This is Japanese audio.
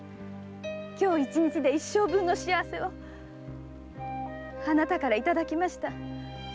今日一日で一生分の幸せをあなたからいただきました。